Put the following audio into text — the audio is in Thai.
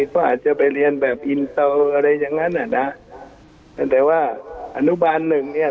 ก็อาจจะไปเรียนแบบอินเตอร์อะไรอย่างนั้นอ่ะนะแต่ว่าอนุบาลหนึ่งเนี่ย